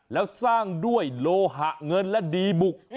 แล้วสร้างด้วยโลหะเงินและดีบุก